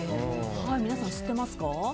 皆さん、知ってますか？